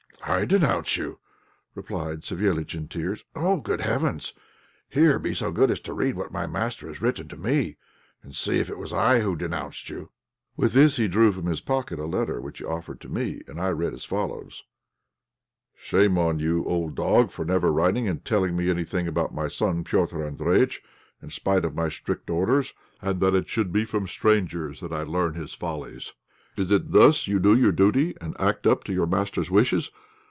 "I denounce you!" replied Savéliitch, in tears. "Oh, good heavens! Here, be so good as to read what master has written to me, and see if it was I who denounced you." With this he drew from his pocket a letter, which he offered to me, and I read as follows: "Shame on you, you old dog, for never writing and telling me anything about my son, Petr' Andréjïtch, in spite of my strict orders, and that it should be from strangers that I learn his follies! Is it thus you do your duty and act up to your master's wishes?